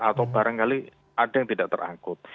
atau barangkali ada yang tidak terangkut